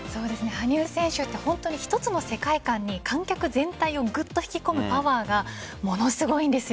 羽生選手は本当に一つの世界観に観客全体をぐっと引き込むパワーがものすごいんです。